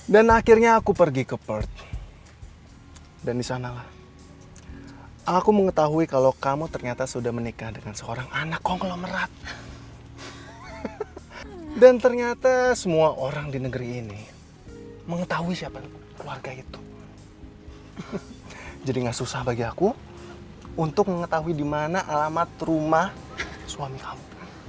dan ternyata aku pergi ke perth dan disanalah aku mengetahui kalau kamu ternyata sudah menikah dengan seorang anak konglomerat dan ternyata semua orang di negeri ini mengetahui siapa keluarga itu jadi gak susah bagi aku untuk mengetahui dimana alamat rumah suami kamu